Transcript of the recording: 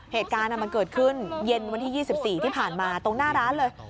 เหตุการณ์มันเกิดขึ้นเย็นวันที่๒๔ที่ผ่านมาตรงหน้าร้านเลย